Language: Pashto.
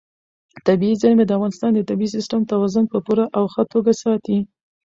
طبیعي زیرمې د افغانستان د طبعي سیسټم توازن په پوره او ښه توګه ساتي.